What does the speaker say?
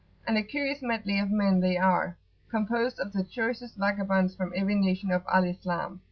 And a curious medley of men they are, composed of the choicest vagabonds from every nation of Al Islam.